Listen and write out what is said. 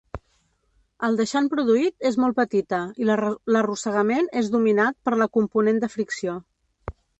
El deixant produït és molt petita i l'arrossegament és dominat per la component de fricció.